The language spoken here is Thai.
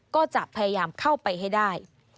ก็จะพยายามเข้าไปให้ได้